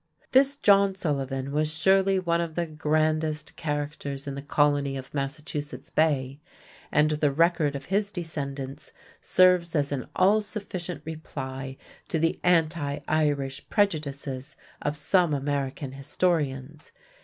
This John Sullivan was surely one of the grandest characters in the Colony of Massachusetts Bay, and the record of his descendants serves as an all sufficient reply to the anti Irish prejudices of some American historians.